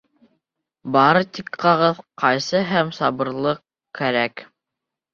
Бары тик ҡағыҙ, ҡайсы һәм сабырлыҡ кәрәк.